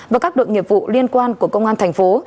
và các đội nghiệp vụ liên quan của công an thành phố